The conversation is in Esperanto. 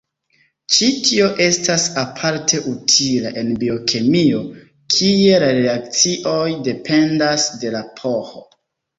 Ĉi tio estas aparte utila en biokemio, kie la reakcioj dependas de la pH.